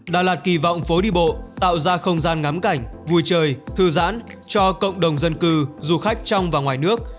đà lạt kỳ vọng phố đi bộ tạo ra không gian ngắm cảnh vui chơi thư giãn cho cộng đồng dân cư du khách trong và ngoài nước